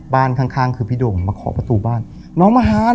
บ้านข้างคือพี่โด่งถมาส่งมาของข้างศาล